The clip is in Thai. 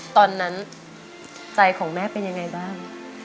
ตอนนั้นใจของแม่เป็นยังไงบ้าง